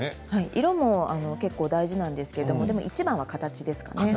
色も結構大事なんですけどいちばんは形ですかね。